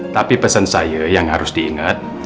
tapi pesan saya yang harus diingat